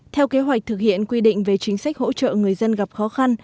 theo kế hoạch thực hiện quy định về chính sách hỗ trợ người dân gặp khó khăn